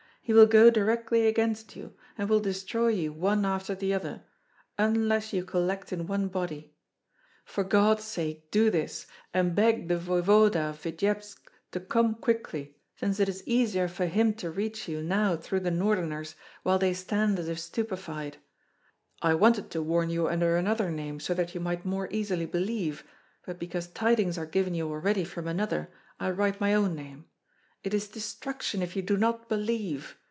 He will go directly against you, and will destroy you one after the other, unless you collect in one body. For God's sake, do this, and beg the voevoda of Vityebsk to come quickly, since it is easier for him to reach you now through the Northerners while they stand as if stupefied. I wanted to warn you under another name, so that you might more easily believe, but because tidings are given you already from another, I write my own name. It is destruction if you do not believe.